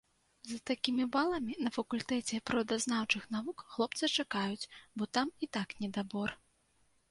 З такімі баламі на факультэце прыродазнаўчых навук хлопца чакаюць, бо там і так недабор.